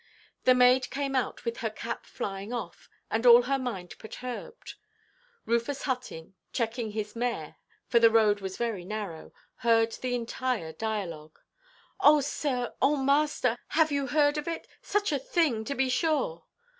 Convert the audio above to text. The maid came out with her cap flying off, and all her mind perturbed. Rufus Hutton, checking his mare, for the road was very narrow, heard the entire dialogue. "Oh, sir! oh, master! have you heard of it? Such a thing, to be sure!"